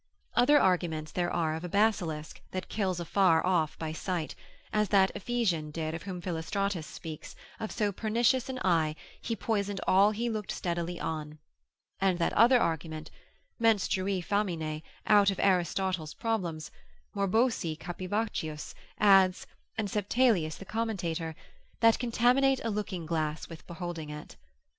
Other arguments there are of a basilisk, that kills afar off by sight, as that Ephesian did of whom Philostratus speaks, of so pernicious an eye, he poisoned all he looked steadily on: and that other argument, menstruae faminae, out of Aristotle's Problems, morbosae Capivaccius adds, and Septalius the commentator, that contaminate a looking glass with beholding it.